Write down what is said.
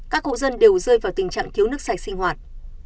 các hộ dân đều rơi vào tình trạng thiếu nước sạch sinh hoạt